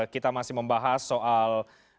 kita masih membahas soal